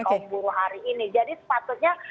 kaum buruh hari ini jadi sepatutnya